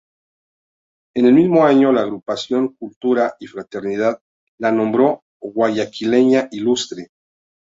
En el mismo año, la Agrupación Cultura y Fraternidad la nombró "Guayaquileña Ilustre".